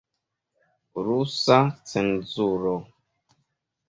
Rusa cenzuro.